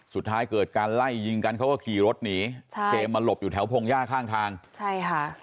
สุดท้ายเกิดการไล่ยิงกันเขาก็ขี่รถหนีใช่เจมสมาหลบอยู่แถวพงหญ้าข้างทางใช่ค่ะ